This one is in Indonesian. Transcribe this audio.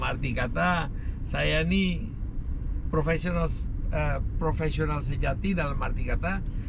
arti kata saya ini profesional sejati dalam arti kata